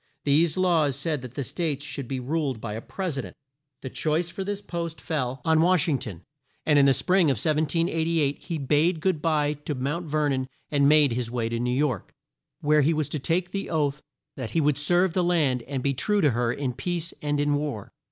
These laws said that the States should be ruled by a Pres i dent. The choice for this post fell on Wash ing ton, and in the spring of 1788 he bade good bye to Mount Ver non and made his way to New York, where he was to take the oath that he would serve the land and be true to her in peace and in war.